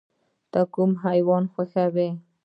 ته کوم حیوان خوښوې؟